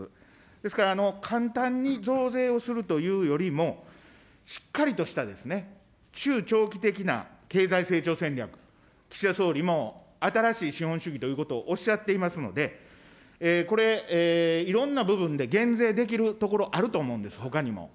ですから、簡単に増税をするというよりも、しっかりとした中長期的な経済成長戦略、岸田総理も新しい資本主義ということをおっしゃっていますので、これ、いろんな部分で減税できるところあると思うんです、ほかにも。